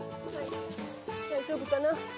大丈夫かな？